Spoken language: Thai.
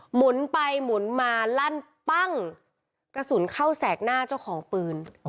หมุนไปหมุนมาลั่นปั้งกระสุนเข้าแสกหน้าเจ้าของปืน